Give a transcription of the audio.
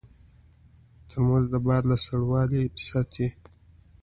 ترموز د باد له سړوالي ساتي.